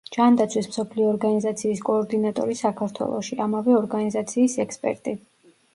ჯანდაცვის მსოფლიო ორგანიზაციის კოორდინატორი საქართველოში, ამავე ორგანიზაციის ექსპერტი.